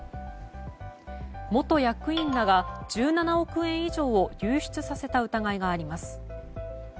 元役員らが１７億円以上を流出させた疑いがあります。